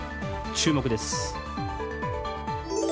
注目です。